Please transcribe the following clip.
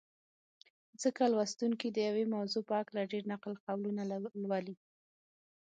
ځکه لوستونکي د یوې موضوع په هکله ډېر نقل قولونه لولي.